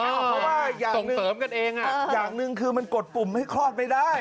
อ๋อเพราะว่าอยากหนึ่งตรงเฝิมกันเองอ่ะอยากหนึ่งคือมันกดปุ่มให้คลอดไม่ได้